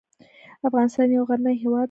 افغانستان يو غرنی هېواد دی.